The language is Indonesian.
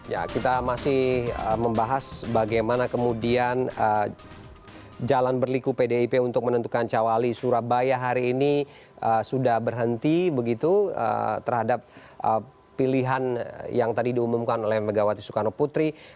ya kita masih membahas bagaimana kemudian jalan berliku pdip untuk menentukan cawali surabaya hari ini sudah berhenti begitu terhadap pilihan yang tadi diumumkan oleh megawati soekarno putri